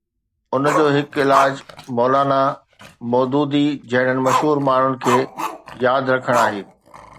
ان جو هڪ علاج مولانا مودودي جهڙن مشهور ماڻهن کي ياد رکڻ آهي.